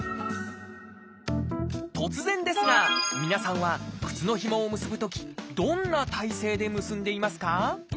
突然ですが皆さんは靴のひもを結ぶときどんな体勢で結んでいますか？